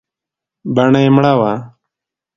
بڼه يې مړه وه .